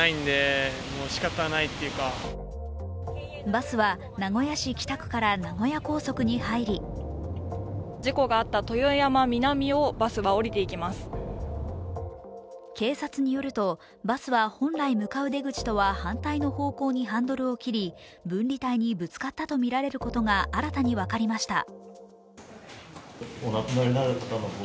バスは名古屋市北区から名古屋高速に入り警察によるとバスは本来向かう出口とは反対の方向にハンドルを切り分離帯にぶつかったとみられることが新たに分かりました。